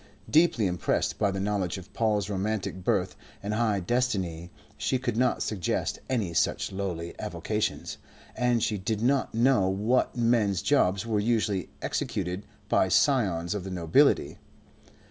Deeply impressed by the knowledge of Paul's romantic birth and high destiny she could not suggest any such lowly avocations, and she did not know what men's jobs were usually executed by scions of the nobility.